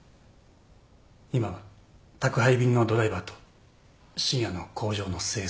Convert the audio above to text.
今は宅配便のドライバーと深夜の工場の清掃のバイトを。